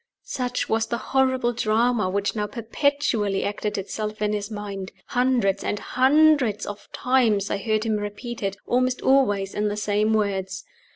Such was the horrible drama which now perpetually acted itself in his mind. Hundreds and hundreds of times I heard him repeat it, almost always in the same words.